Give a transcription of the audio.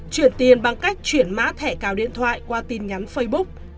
chuyển tiền bằng cách chuyển mã thẻ cào điện thoại qua tin nhắn facebook